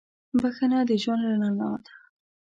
• بخښنه د ژوند رڼا ده.